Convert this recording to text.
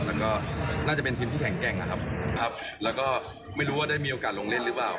แต่ก็น่าจะเป็นทีมที่แข็งแกร่งนะครับครับแล้วก็ไม่รู้ว่าได้มีโอกาสลงเล่นหรือเปล่า